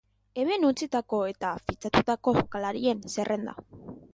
Hemen utzitako eta fitxatutako jokalarien zerrenda.